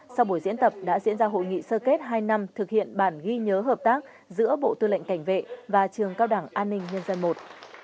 sau buổi diễn tập đã diễn ra hội nghị sơ kết hai năm thực hiện bản ghi nhớ hợp tác giữa bộ tư lệnh cảnh vệ và trường cao đảng an ninh nhân dân i